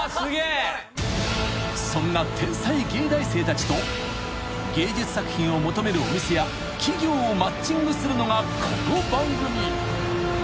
［そんな天才藝大生たちと芸術作品を求めるお店や企業をマッチングするのがこの番組］